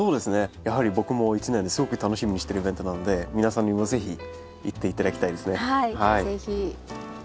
やはり僕も一年ですごく楽しみにしてるイベントなので皆さんにも是非行って頂きたいですね。